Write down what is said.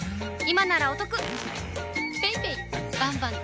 バンバン！